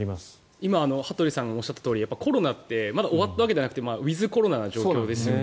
今、羽鳥さんがおっしゃったとおりコロナってまだ終わったわけではなくてウィズコロナの状況ですよね。